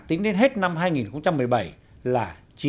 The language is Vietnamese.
tính đến hết năm hai nghìn một mươi bảy là chín mươi